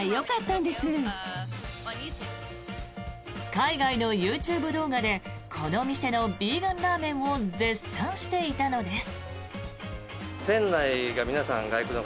海外のＹｏｕＴｕｂｅ動画でこの店のヴィーガンらあめんを絶賛していたのです。